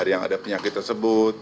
yang ada penyakit tersebut